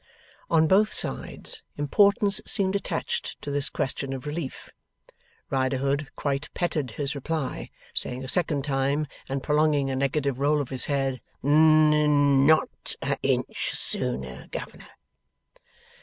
On both sides, importance seemed attached to this question of relief. Riderhood quite petted his reply; saying a second time, and prolonging a negative roll of his head, 'n n not a inch sooner, governor.